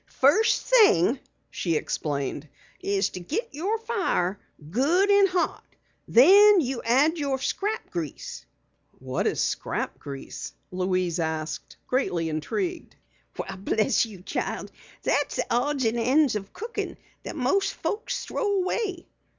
"First thing," she explained, "is to get your fire good and hot. Then you add your scrap grease." "What is scrap grease?" Louise asked, greatly intrigued. "Why, bless you, child, that's the odds and ends of cookin' that most folks throw away.